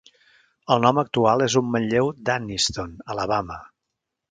El nom actual és un manlleu d'Anniston, Alabama.